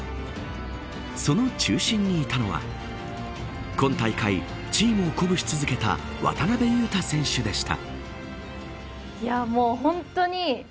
その中心にいたのは今大会、チームを鼓舞し続けた渡邊雄太選手でした。